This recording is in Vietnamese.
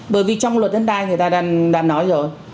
bởi vì trong luật đất đai người ta đang nói rồi